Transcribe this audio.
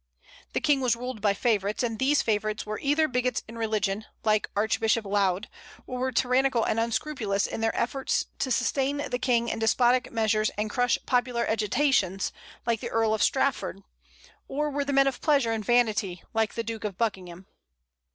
The King was ruled by favorites; and these favorites were either bigots in religion, like Archbishop Laud, or were tyrannical or unscrupulous in their efforts to sustain the King in despotic measures and crush popular agitations, like the Earl of Strafford, or were men of pleasure and vanity like the Duke of Buckingham.